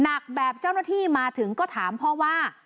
หนักแบบเจ้าหน้าที่มาถึงก็ถามพ่อว่า